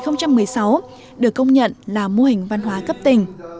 năm hai nghìn một mươi sáu được công nhận là mô hình văn hóa cấp tỉnh